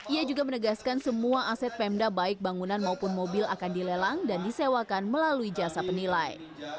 ia juga menegaskan semua aset pemda baik bangunan maupun mobil akan dilelang dan disewakan melalui jasa penilai